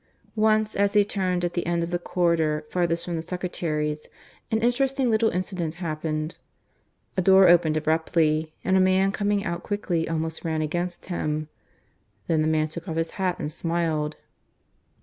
... Once as he turned at the end of the corridor farthest from the secretaries, an interesting little incident happened. A door opened abruptly, and a man coming out quickly almost ran against him. Then the man took off his hat and smiled.